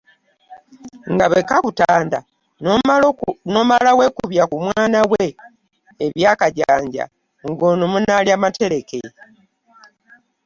Nga bwe kakutanda n'omala weekubya ku mwana we eby'akajanja nga nno munaalya matereke.